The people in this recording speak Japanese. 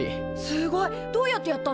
すごい！どうやってやったの？